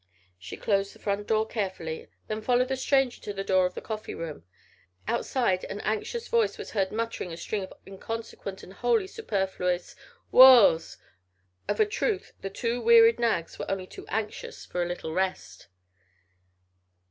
She closed the front door carefully, then followed the stranger to the door of the coffee room. Outside an anxious voice was heard muttering a string of inconsequent and wholly superfluous "Whoa's!" Of a truth the two wearied nags were only too anxious for a little rest.